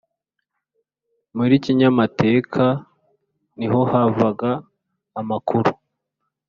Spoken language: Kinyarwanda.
Muri Kinyamateka nihohavaga amakuru.